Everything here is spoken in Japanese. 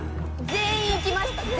全員いきました。